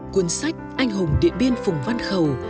cuốn sách anh hùng điện biên phủng văn khẩu